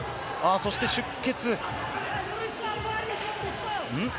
そして出血。